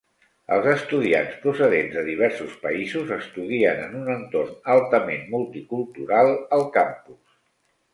Els estudiants procedents de diversos països estudien en un entorn altament multicultural al campus.